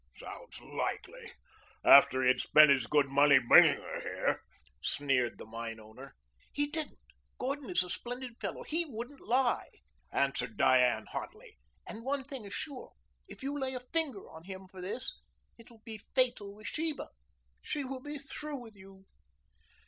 "Sounds likely after he had spent his good money bringing her here," sneered the mine owner. "He didn't. Gordon is a splendid fellow. He wouldn't lie," answered Diane hotly. "And one thing is sure if you lay a finger on him for this, it will be fatal with Sheba. She will be through with you."